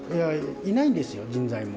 いないんですよ、人材も。